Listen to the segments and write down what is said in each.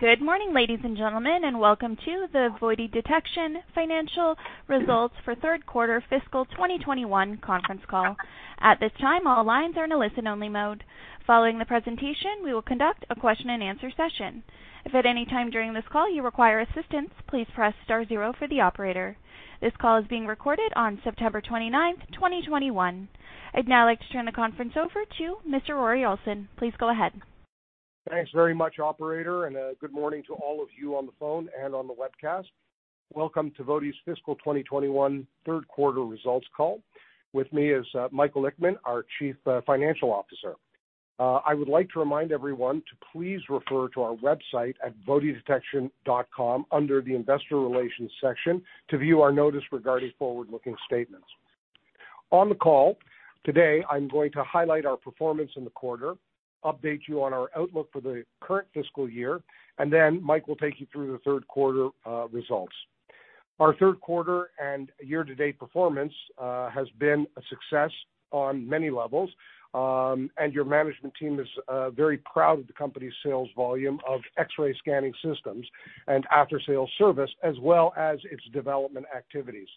Good morning, ladies and gentlemen, welcome to the VOTI Detection financial results for third quarter fiscal 2021 conference call. At this time, all lines are in a listen-only mode. Following the presentation, we will conduct a question and answer session. If at any time during this call you require assistance, please press star zero for the operator. This call is being recorded on September 29th, 2021. I'd now like to turn the conference over to Mr. Rory Olson. Please go ahead. Thanks very much, operator, and good morning to all of you on the phone and on the webcast. Welcome to VOTI's fiscal 2021 third quarter results call. With me is Michael Ickman, our Chief Financial Officer. I would like to remind everyone to please refer to our website at votidetection.com under the investor relations section to view our notice regarding forward-looking statements. On the call today, I'm going to highlight our performance in the quarter, update you on our outlook for the current fiscal year, then Mike will take you through the third quarter results. Our third quarter and year-to-date performance has been a success on many levels. Your management team is very proud of the company's sales volume of X-ray scanning systems and after-sales service, as well as its development activities.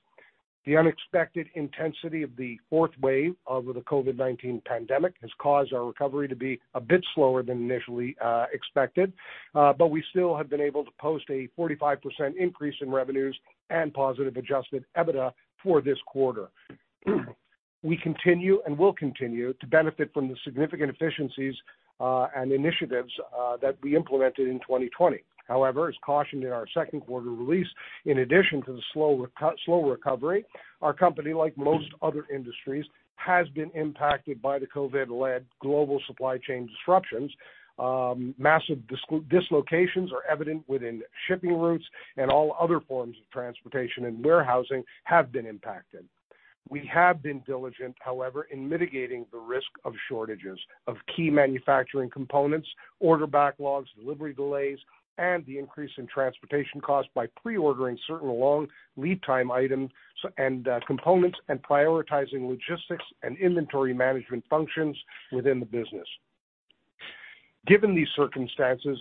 The unexpected intensity of the fourth wave of the COVID-19 pandemic has caused our recovery to be a bit slower than initially expected. We still have been able to post a 45% increase in revenues and positive adjusted EBITDA for this quarter. We continue and will continue to benefit from the significant efficiencies, and initiatives that we implemented in 2020. As cautioned in our second quarter release, in addition to the slow recovery, our company, like most other industries, has been impacted by the COVID-led global supply chain disruptions. Massive dislocations are evident within shipping routes and all other forms of transportation and warehousing have been impacted. We have been diligent, however, in mitigating the risk of shortages of key manufacturing components, order backlogs, delivery delays, and the increase in transportation costs by pre-ordering certain long lead time items and components and prioritizing logistics and inventory management functions within the business. Given these circumstances,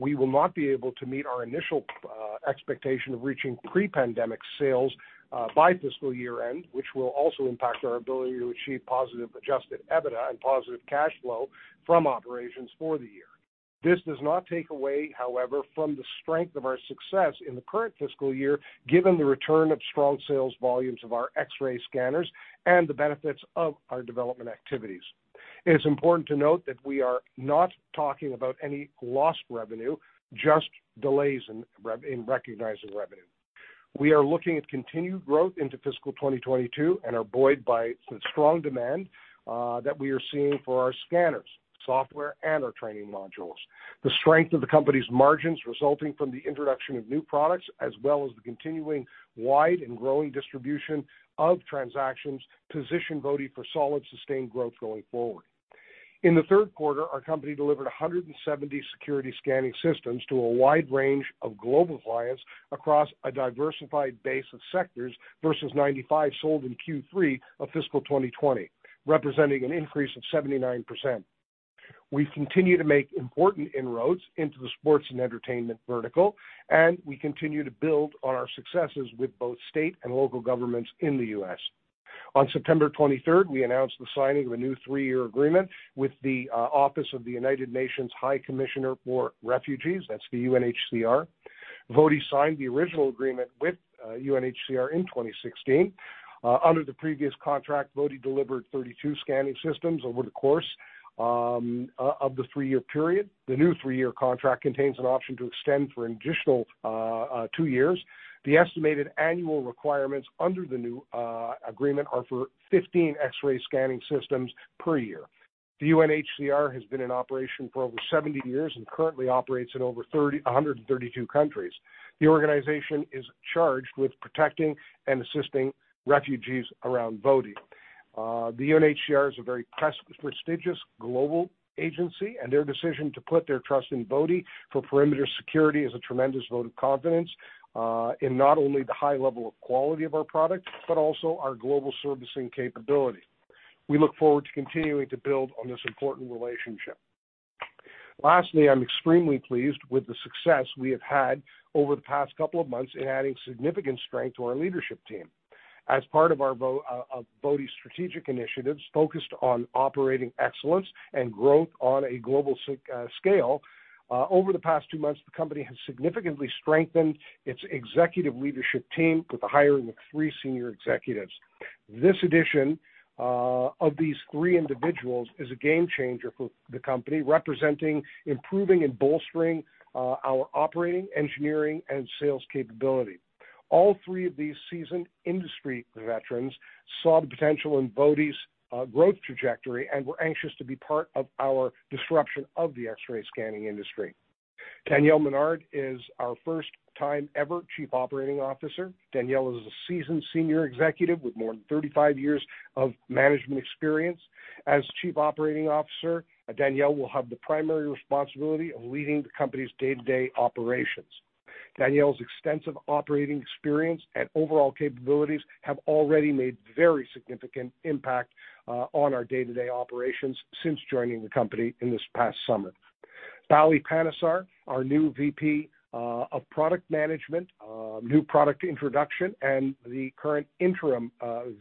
we will not be able to meet our initial expectation of reaching pre-pandemic sales by fiscal year-end, which will also impact our ability to achieve positive adjusted EBITDA and positive cash flow from operations for the year. This does not take away, however, from the strength of our success in the current fiscal year, given the return of strong sales volumes of our X-ray scanners and the benefits of our development activities. It is important to note that we are not talking about any lost revenue, just delays in recognizing revenue. We are looking at continued growth into fiscal 2022 and are buoyed by the strong demand that we are seeing for our scanners, software, and our training modules. The strength of the company's margins resulting from the introduction of new products, as well as the continuing wide and growing distribution of transactions, position VOTI for solid, sustained growth going forward. In the third quarter, our company delivered 170 security scanning systems to a wide range of global clients across a diversified base of sectors versus 95 sold in Q3 of fiscal 2020, representing an increase of 79%. We continue to make important inroads into the sports and entertainment vertical, and we continue to build on our successes with both state and local governments in the U.S. On September 23rd, we announced the signing of a new three-year agreement with the Office of the United Nations High Commissioner for Refugees. That's the UNHCR. VOTI signed the original agreement with UNHCR in 2016. Under the previous contract, VOTI delivered 32 scanning systems over the course of the three-year period. The new three-year contract contains an option to extend for an additional two years. The estimated annual requirements under the new agreement are for 15 X-ray scanning systems per year. The UNHCR has been in operation for over 70 years and currently operates in over 132 countries. The organization is charged with protecting and assisting refugees around the world. The UNHCR is a very prestigious global agency, and their decision to put their trust in VOTI for perimeter security is a tremendous vote of confidence in not only the high level of quality of our products, but also our global servicing capability. We look forward to continuing to build on this important relationship. Lastly, I'm extremely pleased with the success we have had over the past couple of months in adding significant strength to our leadership team. As part of VOTI's strategic initiatives focused on operating excellence and growth on a global scale, over the past two months, the company has significantly strengthened its executive leadership team with the hiring of three senior executives. This addition of these three individuals is a game changer for the company, representing improving and bolstering our operating, engineering, and sales capability. All three of these seasoned industry veterans saw the potential in VOTI's growth trajectory and were anxious to be part of our disruption of the X-ray scanning industry. Daniel Menard is our first-time ever Chief Operating Officer. Daniel is a seasoned senior executive with more than 35 years of management experience. As Chief Operating Officer, Daniel will have the primary responsibility of leading the company's day-to-day operations. Daniel's extensive operating experience and overall capabilities have already made a very significant impact on our day-to-day operations since joining the company this past summer. Bali Panesar, our new VP of Product Management, New Product Introduction, and the current interim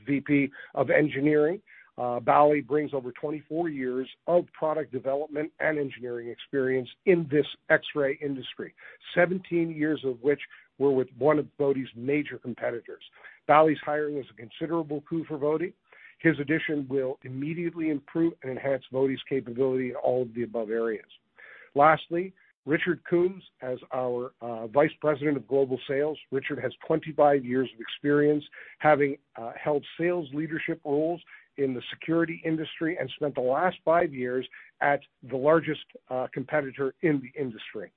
VP of Engineering. Bali brings over 24 years of product development and engineering experience in this X-ray industry, 17 years of which were with one of VOTI's major competitors. Bali's hiring is a considerable coup for VOTI. His addition will immediately improve and enhance VOTI's capability in all of the above areas. Lastly, Richard Coombs as our Vice President of Global Sales. Richard has 25 years of experience, having held sales leadership roles in the security industry and spent the last five years at the largest competitor in the industry.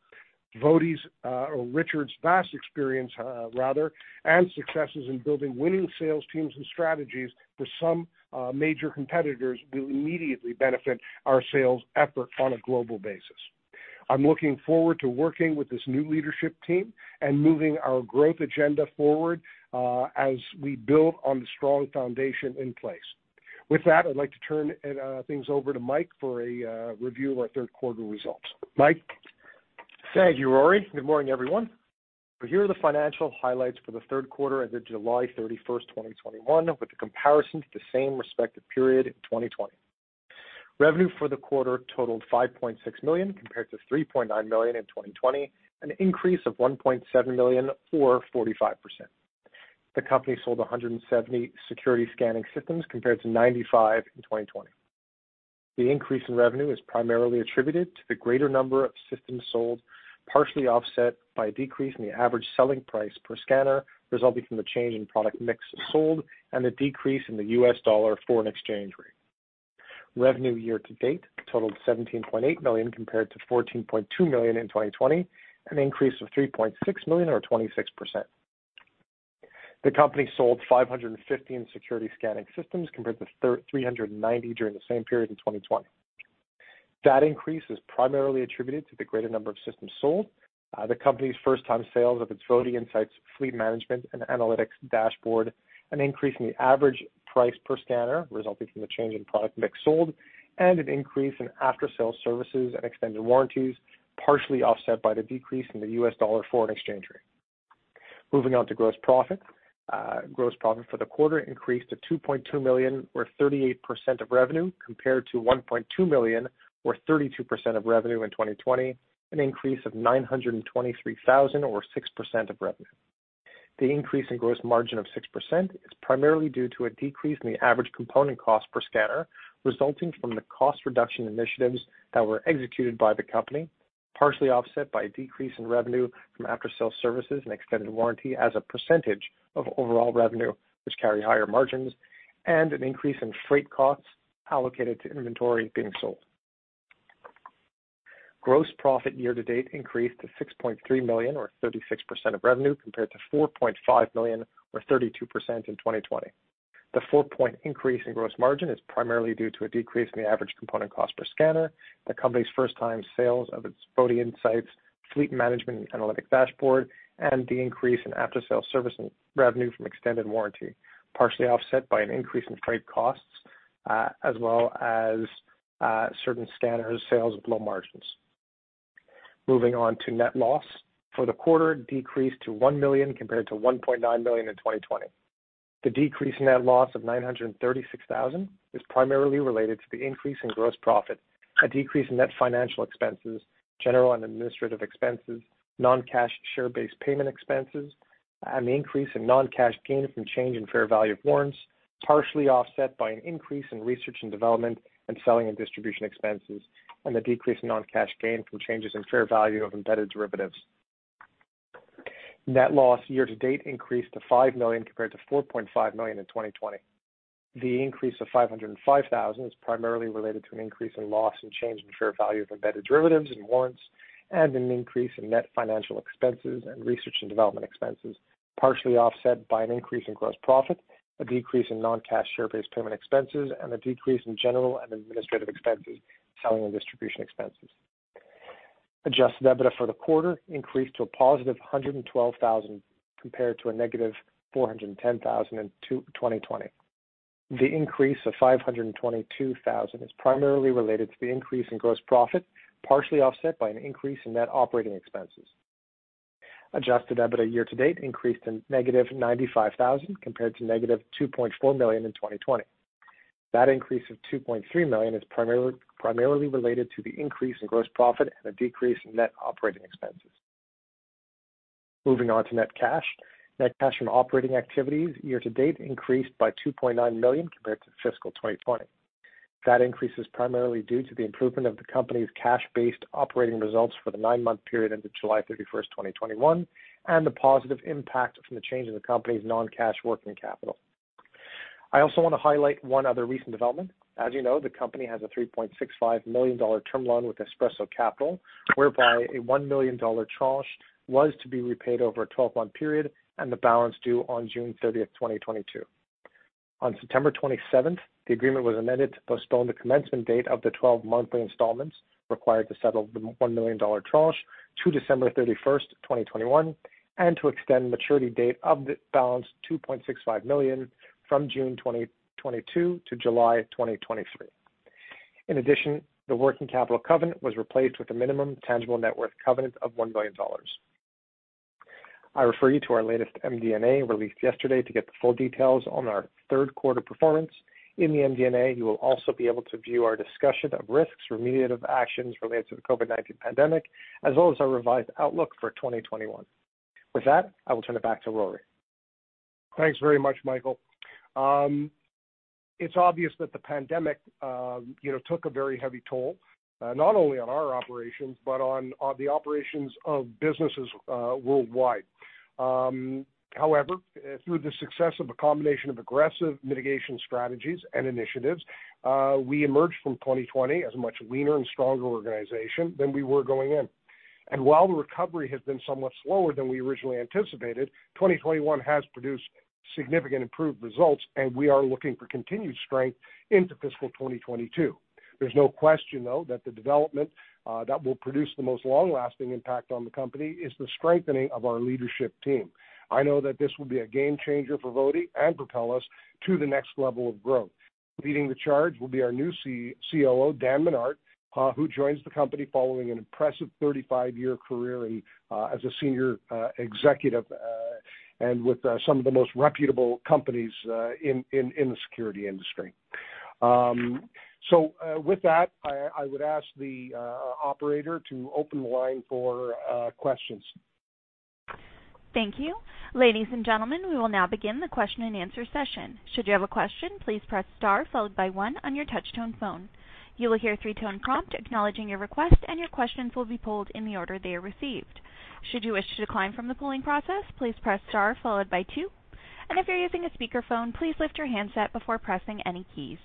Richard's vast experience and successes in building winning sales teams and strategies for some major competitors will immediately benefit our sales effort on a global basis. I'm looking forward to working with this new leadership team and moving our growth agenda forward as we build on the strong foundation in place. With that, I'd like to turn things over to Mike for a review of our third quarter results. Mike? Thank you, Rory. Good morning, everyone. Here are the financial highlights for the third quarter as of July 31st, 2021, with a comparison to the same respective period in 2020. Revenue for the quarter totaled 5.6 million, compared to 3.9 million in 2020, an increase of 1.7 million or 45%. The company sold 170 security scanning systems, compared to 95 in 2020. The increase in revenue is primarily attributed to the greater number of systems sold, partially offset by a decrease in the average selling price per scanner, resulting from the change in product mix sold and a decrease in the US dollar foreign exchange rate. Revenue year-to-date totaled 17.8 million, compared to 14.2 million in 2020, an increase of 3.6 million or 26%. The company sold 515 security scanning systems compared to 390 during the same period in 2020. That increase is primarily attributed to the greater number of systems sold. The company's first-time sales of its VotiINSIGHTS fleet management and analytics dashboard, an increase in the average price per scanner resulting from the change in product mix sold, and an increase in after-sale services and extended warranties, partially offset by the decrease in the US dollar foreign exchange rate. Moving on to gross profit. Gross profit for the quarter increased to 2.2 million or 38% of revenue compared to 1.2 million or 32% of revenue in 2020, an increase of 923,000 or 6% of revenue. The increase in gross margin of 6% is primarily due to a decrease in the average component cost per scanner resulting from the cost reduction initiatives that were executed by the company, partially offset by a decrease in revenue from after-sale services and extended warranty as a percentage of overall revenue, which carry higher margins, and an increase in freight costs allocated to inventory being sold. Gross profit year-to-date increased to 6.3 million or 36% of revenue compared to 4.5 million or 32% in 2020. The 4-point increase in gross margin is primarily due to a decrease in the average component cost per scanner, the company's first-time sales of its VotiINSIGHTS fleet management and analytic dashboard, and the increase in after-sale service revenue from extended warranty, partially offset by an increase in freight costs as well as certain scanner sales with low margins. Moving on to net loss. For the quarter, it decreased to 1 million compared to 1.9 million in 2020. The decrease in net loss of 936,000 is primarily related to the increase in gross profit, a decrease in net financial expenses, general and administrative expenses, non-cash share-based payment expenses, and the increase in non-cash gains from change in fair value of warrants, partially offset by an increase in research and development and selling and distribution expenses, and the decrease in non-cash gain from changes in fair value of embedded derivatives. Net loss year-to-date increased to 5 million compared to 4.5 million in 2020. The increase of 505,000 is primarily related to an increase in loss and change in fair value of embedded derivatives and warrants and an increase in net financial expenses and research and development expenses, partially offset by an increase in gross profit, a decrease in non-cash share-based payment expenses, and a decrease in general and administrative expenses, selling and distribution expenses. Adjusted EBITDA for the quarter increased to a positive 112,000 compared to a negative 410,000 in 2020. The increase of 522,000 is primarily related to the increase in gross profit, partially offset by an increase in net operating expenses. Adjusted EBITDA year-to-date increased to negative 95,000 compared to negative 2.4 million in 2020. That increase of 2.3 million is primarily related to the increase in gross profit and a decrease in net operating expenses. Moving on to net cash. Net cash from operating activities year-to-date increased by 2.9 million compared to fiscal 2020. That increase is primarily due to the improvement of the company's cash-based operating results for the nine-month period ended July 31st, 2021, and the positive impact from the change in the company's non-cash working capital. I also want to highlight one other recent development. As you know, the company has a 3.65 million dollar term loan with Espresso Capital, whereby a 1 million dollar tranche was to be repaid over a 12-month period and the balance due on June 30th, 2022. On September 27th, the agreement was amended to postpone the commencement date of the 12-monthly installments required to settle the 1 million dollar tranche to December 31st, 2021, and to extend maturity date of the balance 2.65 million from June 2022 to July 2023. In addition, the working capital covenant was replaced with a minimum tangible net worth covenant of 1 million dollars. I refer you to our latest MD&A released yesterday to get the full details on our third quarter performance. In the MD&A, you will also be able to view our discussion of risks, remediative actions related to the COVID-19 pandemic, as well as our revised outlook for 2021. With that, I will turn it back to Rory. Thanks very much, Michael. It's obvious that the pandemic took a very heavy toll, not only on our operations, but on the operations of businesses worldwide. Through the success of a combination of aggressive mitigation strategies and initiatives, we emerged from 2020 as a much leaner and stronger organization than we were going in. While the recovery has been somewhat slower than we originally anticipated, 2021 has produced significant improved results, and we are looking for continued strength into fiscal 2022. There's no question, though, that the development that will produce the most long-lasting impact on the company is the strengthening of our leadership team. I know that this will be a game changer for VOTI and propel us to the next level of growth. Leading the charge will be our new COO, Dan Menard, who joins the company following an impressive 35-year career as a senior executive, and with some of the most reputable companies in the security industry. With that, I would ask the operator to open the line for questions. Thank you. Ladies and gentlemen, we will now begin the question and answer session. If you have a question please press star followed by one on your touchtone phone, you will hear a three-tone prompt acknowledging your request and your questions will be pulled in the order it is received should you decline from the pulling process please press star followed by two and if you are using a speaker phone please lift your handset before pressing any keys.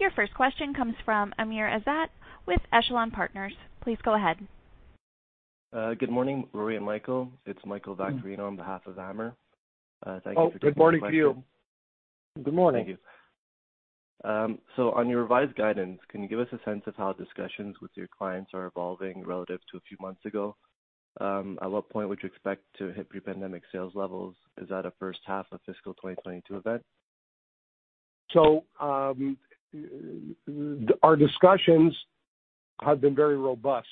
Your first question comes from Amr Ezzat with Echelon Partners. Please go ahead. Good morning, Rory and Michael. It's Michael Vaccarino on behalf of Amr. Thank you for taking my question. Oh, good morning to you. Good morning. Thank you. On your revised guidance, can you give us a sense of how discussions with your clients are evolving relative to a few months ago? At what point would you expect to hit pre-pandemic sales levels? Is that a first half of fiscal 2022 event? Our discussions have been very robust.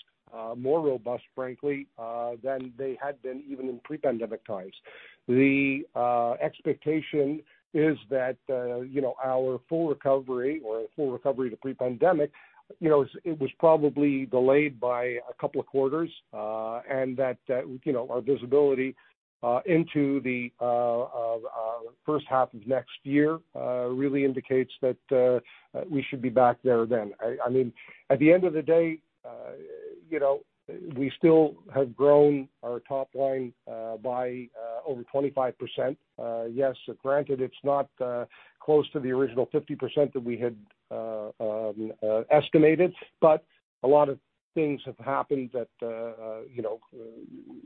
More robust, frankly, than they had been even in pre-pandemic times. The expectation is that our full recovery or a full recovery to pre-pandemic, it was probably delayed by a couple of quarters, and that our visibility into the first half of next year really indicates that we should be back there then. At the end of the day, we still have grown our top line by over 25%. Yes, granted, it's not close to the original 50% that we had estimated, but a lot of things have happened that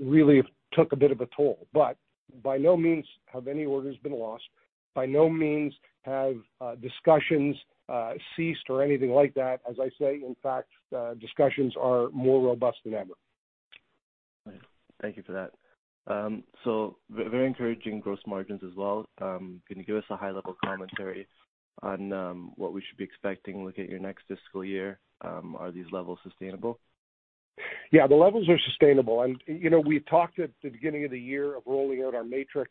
really took a bit of a toll. By no means have any orders been lost. By no means have discussions ceased or anything like that. As I say, in fact, discussions are more robust than ever. Thank you for that. Very encouraging gross margins as well. Can you give us a high-level commentary on what we should be expecting looking at your next fiscal year? Are these levels sustainable? Yeah, the levels are sustainable. We talked at the beginning of the year of rolling out our MATRIX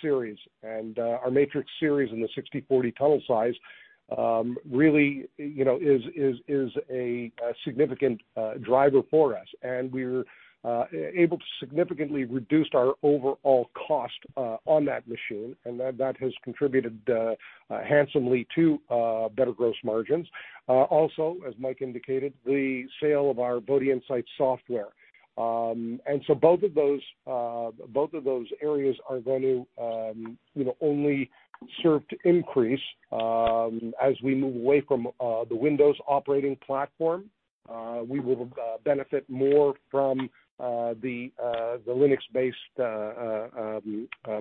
series. Our MATRIX series in the 60/40 tunnel size really is a significant driver for us. We were able to significantly reduce our overall cost on that machine, and that has contributed handsomely to better gross margins. Also, as Mike indicated, the sale of our VotiINSIGHTS software, both of those areas are going to only serve to increase as we move away from the Windows operating platform. We will benefit more from the Linux-based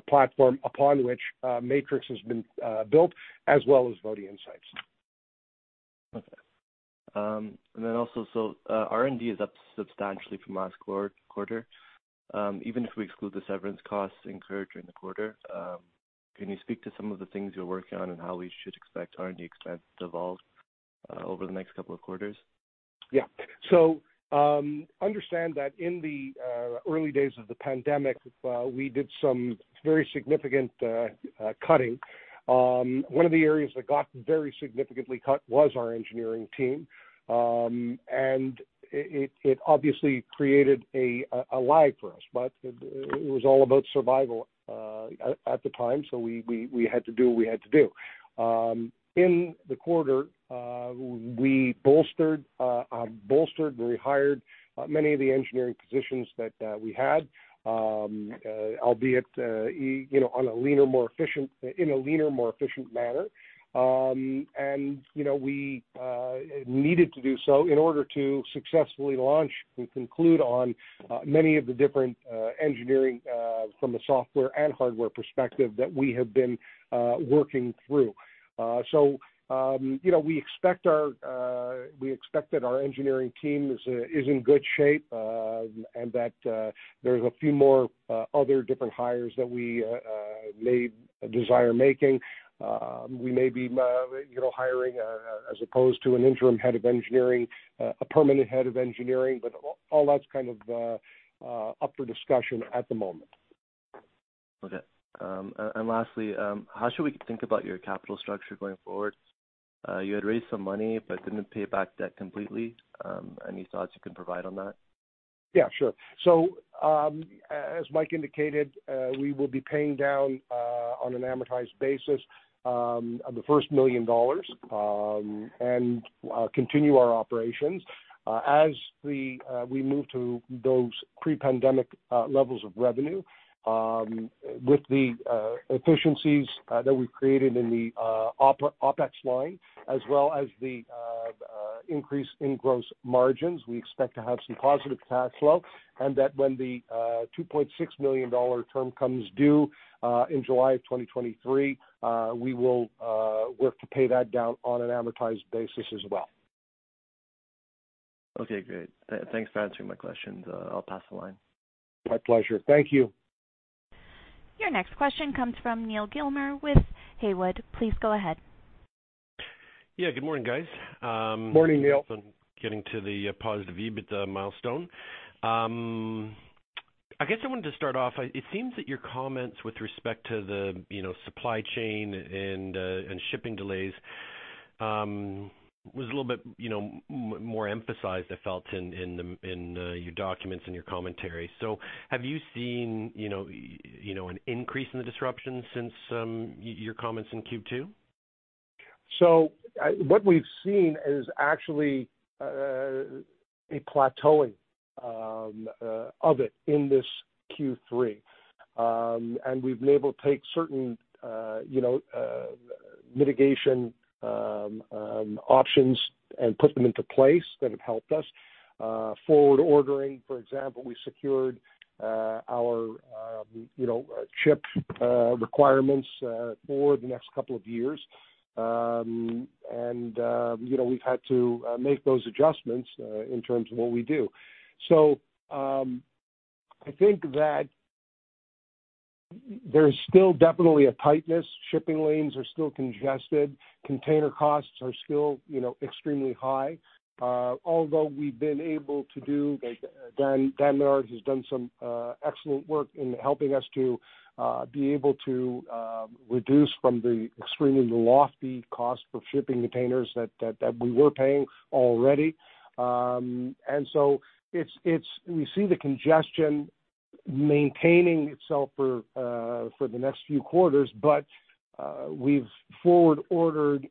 platform upon which MATRIX has been built as well as VotiINSIGHTS. Okay. Also, R&D is up substantially from last quarter. Even if we exclude the severance costs incurred during the quarter, can you speak to some of the things you're working on and how we should expect R&D expense to evolve over the next couple of quarters? Understand that in the early days of the pandemic, we did some very significant cutting. One of the areas that got very significantly cut was our engineering team. It obviously created a lag for us, but it was all about survival at the time, we had to do what we had to do. In the quarter, we rehired many of the engineering positions that we had, albeit in a leaner, more efficient manner. We needed to do so in order to successfully launch and conclude on many of the different engineering from a software and hardware perspective that we have been working through. We expect that our engineering team is in good shape. There's a few more other different hires that we may desire making. We may be hiring, as opposed to an interim head of engineering, a permanent head of engineering. All that's kind of up for discussion at the moment. Okay. Lastly, how should we think about your capital structure going forward? You had raised some money but didn't pay back debt completely. Any thoughts you can provide on that? Yeah, sure. As Mike indicated, we will be paying down, on an amortized basis, the first 1 million dollars and continue our operations. As we move to those pre-pandemic levels of revenue with the efficiencies that we've created in the OpEx line, as well as the increase in gross margins, we expect to have some positive cash flow. That when the 2.6 million dollar term comes due in July of 2023, we will work to pay that down on an amortized basis as well. Okay, great. Thanks for answering my questions. I'll pass the line. My pleasure. Thank you. Your next question comes from Neal Gilmer with Haywood. Please go ahead. Yeah, good morning, guys. Morning, Neal. Congrats on getting to the positive EBITDA milestone. I guess I wanted to start off, it seems that your comments with respect to the supply chain and shipping delays was a little bit more emphasized, I felt, in your documents and your commentary. Have you seen an increase in the disruption since your comments in Q2? What we've seen is actually a plateauing of it in this Q3. We've been able to take certain mitigation options and put them into place that have helped us. Forward ordering, for example, we secured our chip requirements for the next couple of years. We've had to make those adjustments in terms of what we do. I think that there's still definitely a tightness. Shipping lanes are still congested. Container costs are still extremely high. Although we've been able to do, Dan Menard has done some excellent work in helping us to be able to reduce from the extremely lofty cost for shipping containers that we were paying already. We see the congestion maintaining itself for the next few quarters. We've forward ordered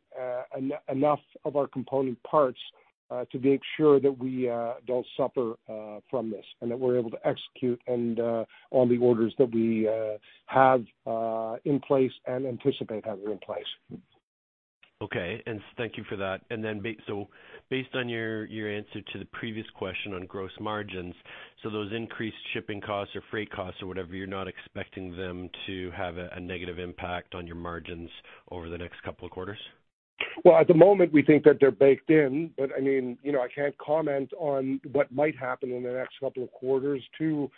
enough of our component parts to make sure that we don't suffer from this, and that we're able to execute on the orders that we have in place and anticipate having in place. Okay. Thank you for that. Based on your answer to the previous question on gross margins, those increased shipping costs or freight costs or whatever, you're not expecting them to have a negative impact on your margins over the next couple of quarters? Well, at the moment, we think that they're baked in. I can't comment on what might happen in the next couple of quarters to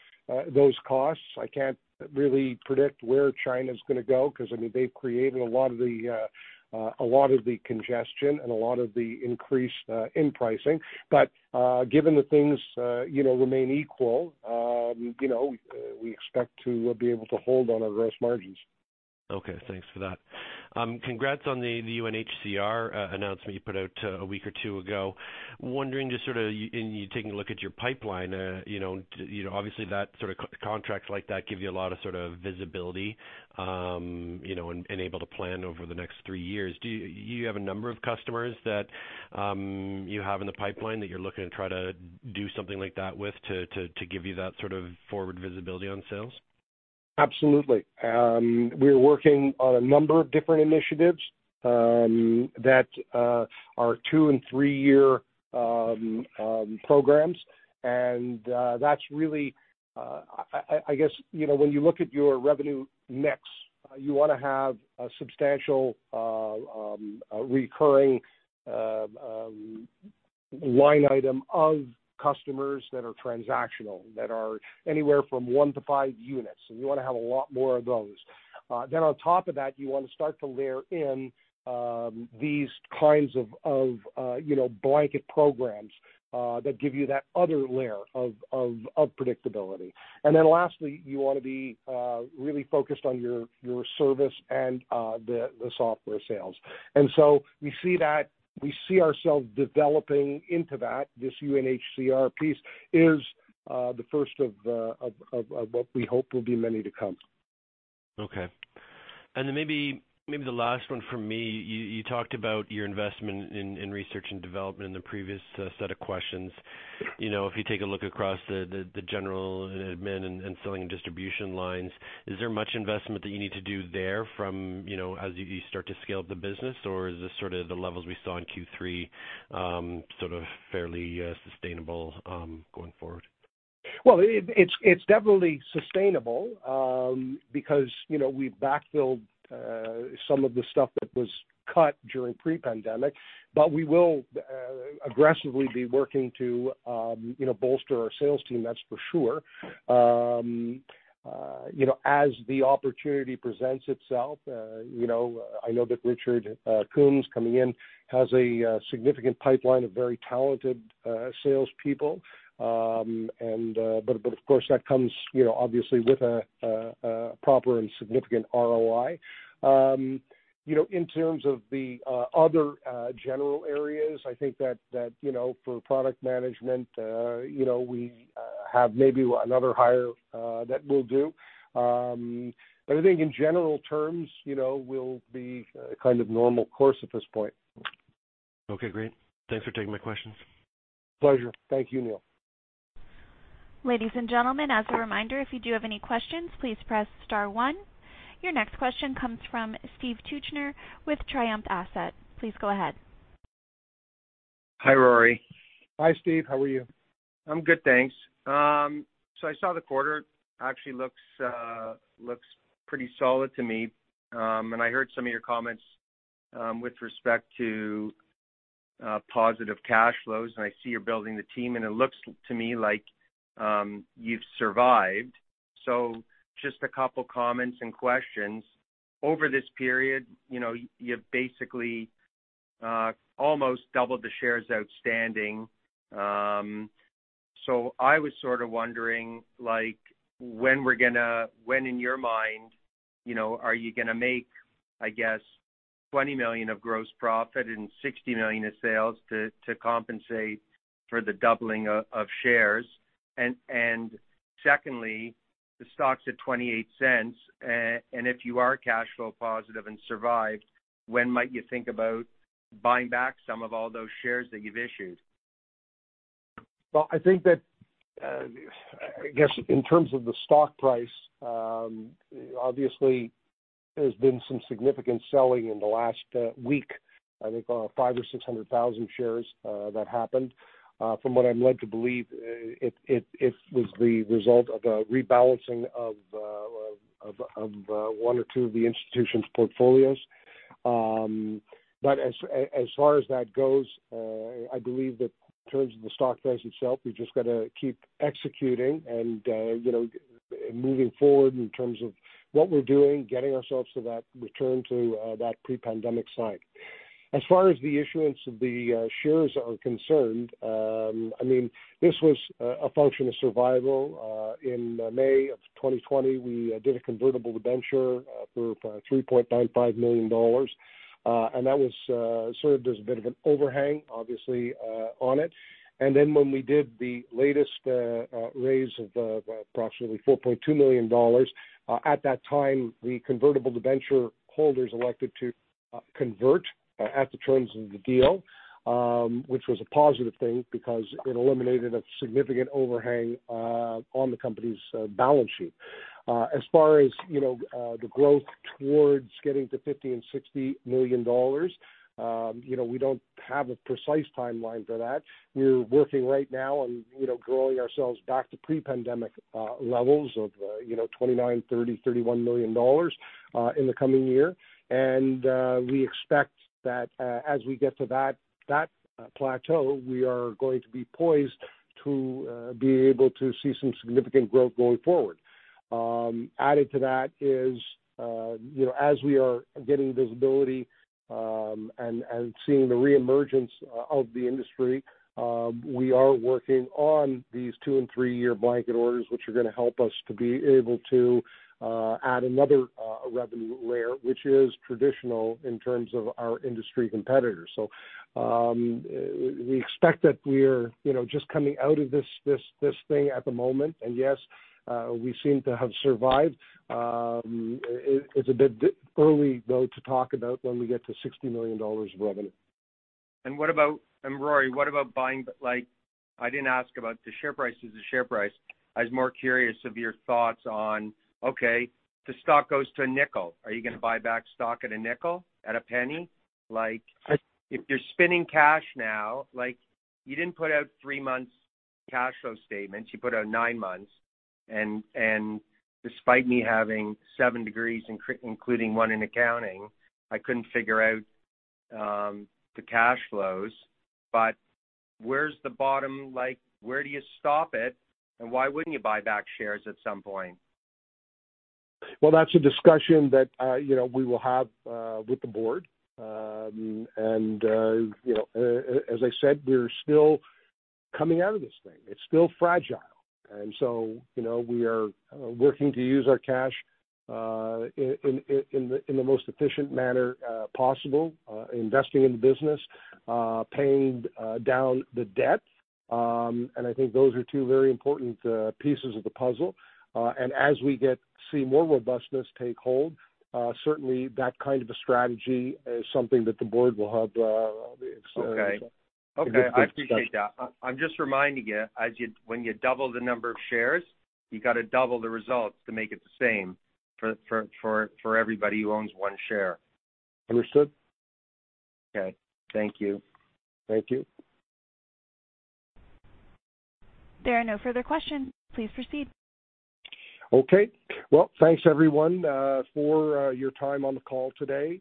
those costs. I can't really predict where China's going to go, because they've created a lot of the congestion and a lot of the increase in pricing. Given that things remain equal, we expect to be able to hold on our gross margins. Okay, thanks for that. Congrats on the UNHCR announcement you put out a week or two ago. Wondering just sort of, in you taking a look at your pipeline, obviously, contracts like that give you a lot of sort of visibility, and able to plan over the next three years. Do you have a number of customers that you have in the pipeline that you're looking to try to do something like that with to give you that sort of forward visibility on sales? Absolutely. We're working on a number of different initiatives that are two and three-year programs. That's really, I guess, when you look at your revenue mix, you want to have a substantial recurring line item of customers that are transactional, that are anywhere from 1-5 units. You want to have a lot more of those. On top of that, you want to start to layer in these kinds of blanket programs that give you that other layer of predictability. Lastly, you want to be really focused on your service and the software sales. We see ourselves developing into that. This UNHCR piece is the first of what we hope will be many to come. Okay. Maybe the last one from me. You talked about your investment in research and development in the previous set of questions. If you take a look across the general admin and selling and distribution lines, is there much investment that you need to do there as you start to scale up the business, or is this sort of the levels we saw in Q3, sort of fairly sustainable going forward? Well, it's definitely sustainable, because we backfilled some of the stuff that was cut during pre-pandemic, but we will aggressively be working to bolster our sales team, that's for sure. As the opportunity presents itself, I know that Richard Coombs coming in has a significant pipeline of very talented salespeople. Of course, that comes obviously with a proper and significant ROI. In terms of the other general areas, I think that for product management, we have maybe another hire that we'll do. I think in general terms, we'll be kind of normal course at this point. Okay, great. Thanks for taking my questions. Pleasure. Thank you, Neal. Ladies and gentlemen, as a reminder, if you do have any questions, please press star one. Your next question comes from Steven Tuchner with Triumph Asset. Please go ahead. Hi, Rory. Hi, Steve. How are you? I'm good, thanks. I saw the quarter, actually looks pretty solid to me. I heard some of your comments with respect to positive cash flows, and I see you're building the team, and it looks to me like you've survived. Just a couple comments and questions. Over this period, you've basically almost doubled the shares outstanding. I was sort of wondering when in your mind, are you gonna make, I guess, 20 million of gross profit and 60 million of sales to compensate for the doubling of shares? Secondly, the stock's at 0.28, and if you are cash flow positive and survived, when might you think about buying back some of all those shares that you've issued? I think that, I guess in terms of the stock price, obviously there's been some significant selling in the last week. I think about 5 or 600,000 shares that happened. From what I'm led to believe, it was the result of a rebalancing of one or two of the institutions' portfolios. As far as that goes, I believe that in terms of the stock price itself, we've just got to keep executing and moving forward in terms of what we're doing, getting ourselves to that return to that pre-pandemic cycle. As far as the issuance of the shares are concerned, this was a function of survival. In May of 2020, we did a convertible debenture for 3.95 million dollars. That served as a bit of an overhang, obviously, on it. When we did the latest raise of approximately 4.2 million dollars, at that time, the convertible debenture holders elected to convert at the terms of the deal, which was a positive thing because it eliminated a significant overhang on the company's balance sheet. As far as the growth towards getting to 50 million and 60 million dollars, we don't have a precise timeline for that. We're working right now on growing ourselves back to pre-pandemic levels of 29 million, 30 million, 31 million dollars in the coming year. We expect that as we get to that plateau, we are going to be poised to be able to see some significant growth going forward. Added to that is, as we are getting visibility and seeing the reemergence of the industry, we are working on these 2- and 3-year blanket orders, which are gonna help us to be able to add another revenue layer, which is traditional in terms of our industry competitors. We expect that we're just coming out of this thing at the moment, and yes, we seem to have survived. It's a bit early, though, to talk about when we get to 60 million dollars of revenue. Rory, what about buying I didn't ask about the share price versus share price. I was more curious of your thoughts on, okay, the stock goes to CAD 0.05. Are you gonna buy back stock at CAD 0.05? At CAD 0.01? If you're spinning cash now, you didn't put out three months cash flow statements, you put out nine months, and despite me having 7 degrees including one in accounting, I couldn't figure out the cash flows. Where's the bottom? Where do you stop it, and why wouldn't you buy back shares at some point? That's a discussion that we will have with the board. As I said, we're still coming out of this thing. It's still fragile. We are working to use our cash in the most efficient manner possible, investing in the business, paying down the debt. I think those are two very important pieces of the puzzle. As we see more robustness take hold, certainly that kind of a strategy is something that the board will have a good discussion. Okay. I appreciate that. I'm just reminding you, when you double the number of shares, you got to double the results to make it the same for everybody who owns one share. Understood. Okay. Thank you. Thank you. There are no further questions. Please proceed. Well, thanks everyone for your time on the call today.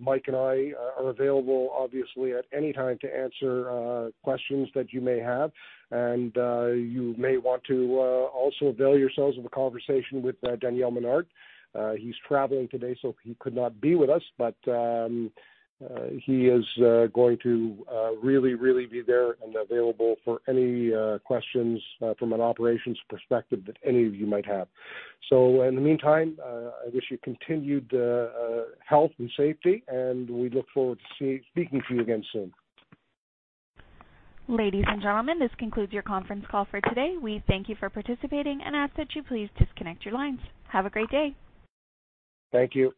Mike and I are available obviously at any time to answer questions that you may have. You may want to also avail yourselves of a conversation with Daniel Menard. He's traveling today, he could not be with us, he is going to really be there and available for any questions from an operations perspective that any of you might have. In the meantime, I wish you continued health and safety, we look forward to speaking to you again soon. Ladies and gentlemen, this concludes your conference call for today. We thank you for participating and ask that you please disconnect your lines. Have a great day. Thank you.